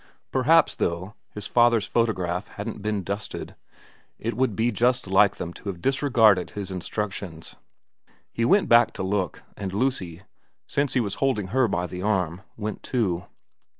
Perhaps, though, his father's photograph hadn't been dusted, it would be just like them to have disregarded his instructions. He went back to look, and Lucy, since he was holding her by the arm, went too.